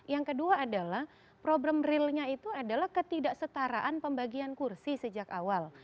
yang kedua adalah problem realnya itu adalah ketidaksetaraan pembagian kursi sejak awal